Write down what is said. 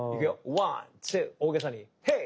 ワンツー大げさにヘイ！